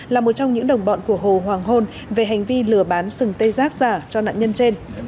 là một trong những đồng bọn của hồ hoàng hôn về hành vi lừa bán sừng tê giác giả cho nạn nhân trên